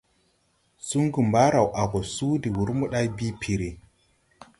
Sungu mbaaraw a go suu de wūr moday bii piiri.